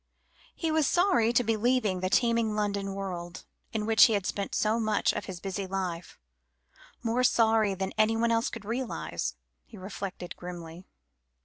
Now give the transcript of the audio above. He was sorry to be leaving the teeming London world, in which he had spent so much of his busy life more sorry than anyone else could realise, he reflected grimly.